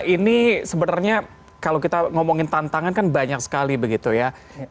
ini sebenarnya kalau kita ngomongin tantangan kan banyak sekali begitu ya